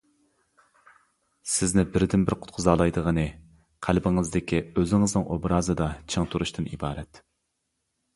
سىزنى بىردىنبىر قۇتقۇزالايدىغىنى، قەلبىڭىزدىكى ئۆزىڭىزنىڭ ئوبرازىدا چىڭ تۇرۇشتىن ئىبارەت.